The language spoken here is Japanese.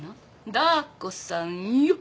ダー子さんよっ！